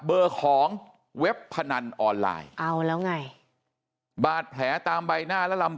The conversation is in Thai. เบอร์ของเว็บพนันออนไลน์เอาแล้วไงบาดแผลตามใบหน้าและลำ